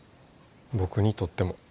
僕にとっても。